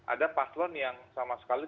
ada paslon yang sama sekali